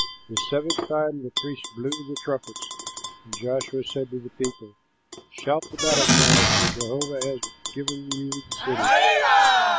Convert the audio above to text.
The seventh time the priests blew the trumpets, and Joshua said to the people, "Shout the battle cry; for Jehovah has given you the city.